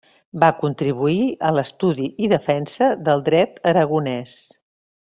Va contribuir a l'estudi i defensa del Dret aragonès.